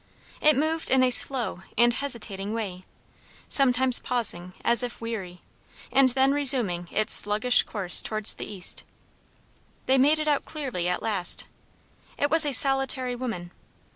It moved in a slow and hesitating way, sometimes pausing, as if weary, and then resuming its sluggish course towards the East. They made it out clearly at last. It was a solitary woman.